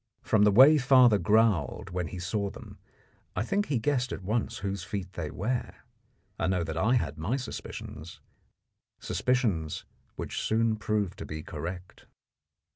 From the way father growled when he saw them, I think he guessed at once whose feet they were. I know that I had my suspicions suspicions which soon proved to be correct.